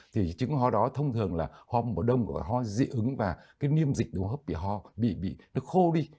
thì chứng ho đó thông thường là ho một đông gọi ho dị ứng và cái niêm dịch đường hấp bị ho bị bị nó khô đi